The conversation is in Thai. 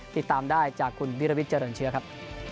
ติดตามได้จากคุณวิรวิทย์เจริญเชื้อครับ